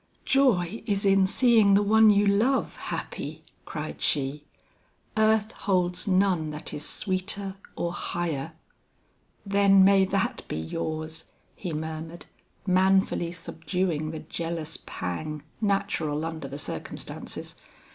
"Joy is in seeing the one you love happy," cried she; "earth holds none that is sweeter or higher." "Then may that be yours," he murmured, manfully subduing the jealous pang natural under the circumstances.